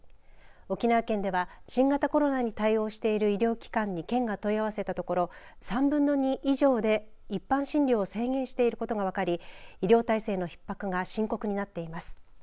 沖縄県では、新型コロナに対応している医療機関に県が問い合わせたところ３分の２以上で一般診療を制限していることが分かり医療体制のひっ迫が深刻になっています。